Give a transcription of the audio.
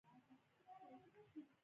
دا توپیر لوی واټن جوړوي.